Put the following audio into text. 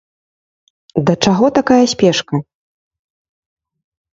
Да чаго такая спешка?